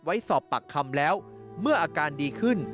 ไว้สอบปากคำแล้วเมื่ออาการดีขึ้น